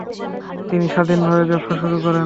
তিনি স্বাধীনভাবে ব্যবসা শুরু করেন।